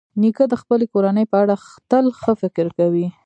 نیکه د خپلې کورنۍ په اړه تل ښه فکر کوي.